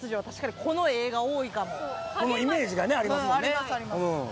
このイメージがねありますもんね。